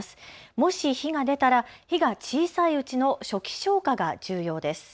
もし火が出たら火が小さいうちの初期消火が重要です。